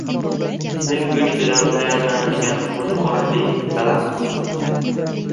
Til go‘shtidan tayyorlanadigan qo‘ziqorinli salat